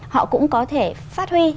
họ cũng có thể phát huy